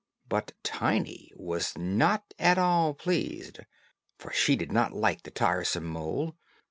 But Tiny was not at all pleased; for she did not like the tiresome mole.